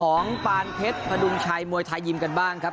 ปานเพชรพดุงชัยมวยไทยยิมกันบ้างครับ